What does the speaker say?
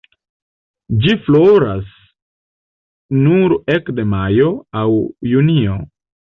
Ĝi floras nur ekde majo aŭ junio.